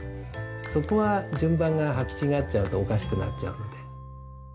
そこは順番が履き違っちゃうとおかしくなっちゃうんで。